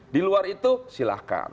di luar itu silahkan